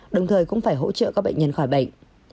đồng thời cũng phải hỗ trợ các bệnh nhân khỏi bệnh